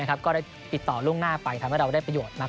ก็ได้ติดต่อล่วงหน้าไปทำให้เราได้ประโยชน์